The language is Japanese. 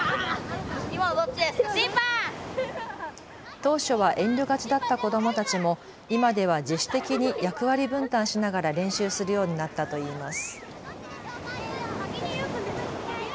当初は遠慮がちだった子どもたちも今では自主的に役割分担しながら練習するようになったといいます。